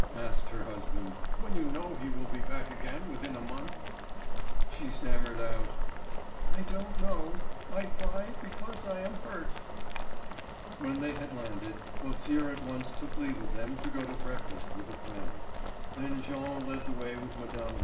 asked her husband, "when you know he will be back again within a month." She stammered out: "I don't know; I cry because I am hurt." When they had landed, Beausire at once took leave of them to go to breakfast with a friend. Then Jean led the way with Mme.